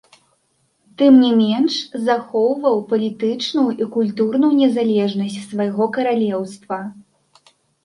Тым не менш, захоўваў палітычную і культурную незалежнасць свайго каралеўства.